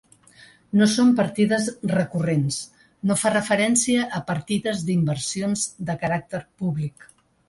No són partides recurrents, no fa referència a partides d’inversions de caràcter públic.